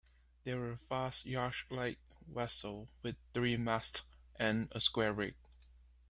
They were fast, yacht-like vessels, with three masts and a square rig.